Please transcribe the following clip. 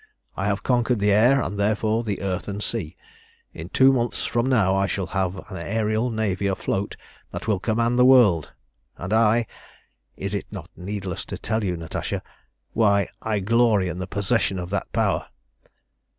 I have conquered the air, and therefore the earth and sea. In two months from now I shall have an aërial navy afloat that will command the world, and I is it not needless to tell you, Natasha, why I glory in the possession of that power?